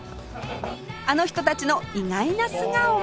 あの人たちの意外な素顔も！